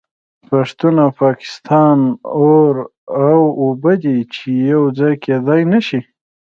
پښتون او پاکستان اور او اوبه دي چې یو ځای کیدای نشي